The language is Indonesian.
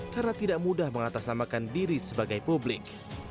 karena tidak mudah mengatasnamakan diri sebagai publik